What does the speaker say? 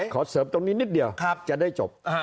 ขอเสริมตรงนี้นิดเดียวจะได้จบ